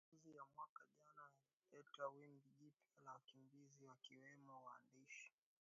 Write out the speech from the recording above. Mapinduzi ya mwaka jana yalileta wimbi jipya la wakimbizi wakiwemo waandishi